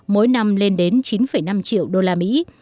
mỗi năm lên đến chín năm triệu đô la mỹ